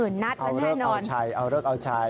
เอาแน่นอนเอาชัยเอาเลิกเอาชัย